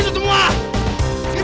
lo turun sini